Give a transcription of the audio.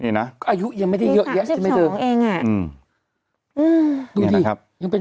นี่น่ะอายุยังไม่ได้เยอะยังไม่เจอของเองอืมอืมนี่นะครับยังเป็น